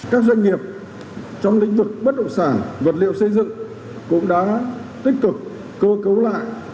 các doanh nghiệp trong lĩnh vực bất động sản vật liệu xây dựng cũng đã tích cực cơ cấu lại